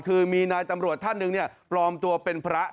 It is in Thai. คือมีนายตำรวจท่านหนึ่งปลอมตัวเป็นพระ